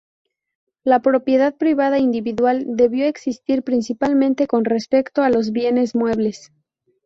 La propiedad privada individual debió existir principalmente con respecto a los bienes muebles.